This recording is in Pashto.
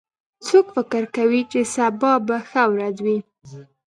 څوک فکر کوي چې سبا به ښه ورځ وي